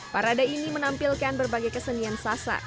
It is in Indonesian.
parade ini menampilkan berbagai kesenian sasak